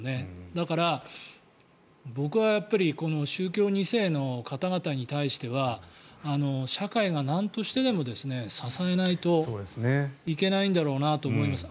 だから、僕はやっぱりこの宗教２世の方々に対しては社会がなんとしてでも支えないといけないんだろうなと思います。